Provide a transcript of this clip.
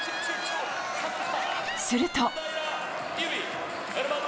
すると。